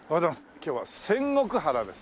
今日は仙石原です。